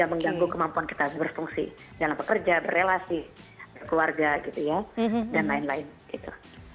mengganggu kemampuan kita berfungsi dalam bekerja berrelasi berkeluarga gitu ya dan lain lain gitu